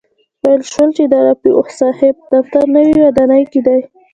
ویل شول د رفیع صاحب دفتر نوې ودانۍ کې دی.